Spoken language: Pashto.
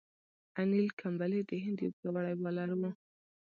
انیل کمبلې د هند یو پياوړی بالر وو.